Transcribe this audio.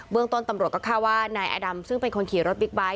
เรื่องต้นตำรวจก็คาดว่านายอดำซึ่งเป็นคนขี่รถบิ๊กไบท์